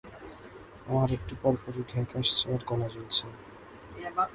আমার একটু পরপরই ঢেক আসছে আর গলা জলছে।